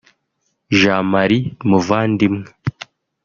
Jean Marie Muvandimwe